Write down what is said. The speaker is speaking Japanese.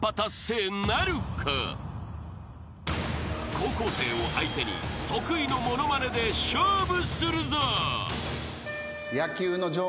［高校生を相手に得意のものまねで勝負するぞ］